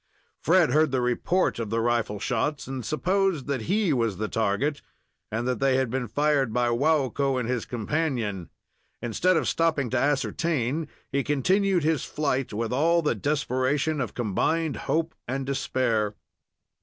Fred heard the report of the rifle shots, and sup posed that he was the target and that they had been fired by Waukko and his companion. Instead of stopping to ascertain, he continued his flight with all the desperation of combined hope and despair.